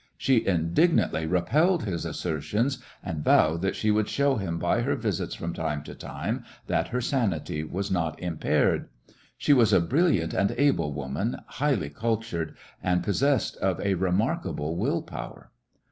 She indignantly repelled his assertions, and vowed that she would show him by her visits from time to time that her sanity was not impaired. She was a brilliant and able woman, highly cul tured, and possessed of a remarkable will power.